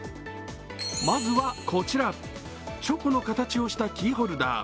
まずはこちらチョコの形をしたキーホルダー。